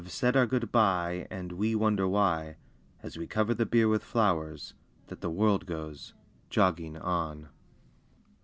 said our good bye And we wonder why, (As we cover the bier with flowers), That the world goes "jogging on."